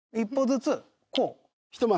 こう。